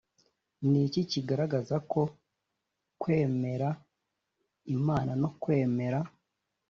ni iki kigaragaza ko kwemera imana no kwemera